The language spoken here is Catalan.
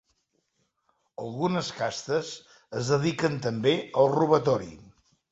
Algunes castes es dediquen també al robatori.